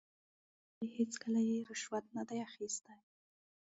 دی وایي چې هیڅکله یې رشوت نه دی اخیستی.